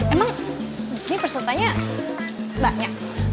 emang di sini pesertanya banyak